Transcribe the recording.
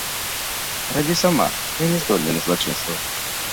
Рабі сама, я няздольны на злачынства!